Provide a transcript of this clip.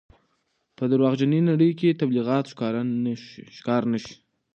په درواغجنې نړۍ کې د تبلیغاتو ښکار نه شئ.